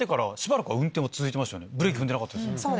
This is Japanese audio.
ブレーキ踏んでなかったですよね。